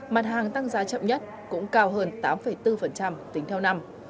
mặt hàng tăng giá chậm nhất cũng cao hơn tám bốn tính theo năm